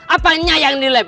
apanya yang dilem